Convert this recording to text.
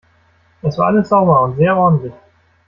Es war alles sauber und sehr ordentlich!